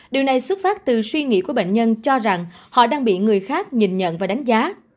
điều này xuất phát từ suy nghĩ của bệnh nhân cho rằng họ đang bị người khác nhìn nhận và đánh giá